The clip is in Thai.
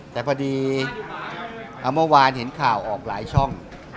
แต่พอดีเมื่อวานเห็นข่าวออกหลายช่อง